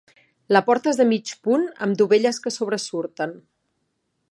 La porta és de mig punt amb dovelles que sobresurten.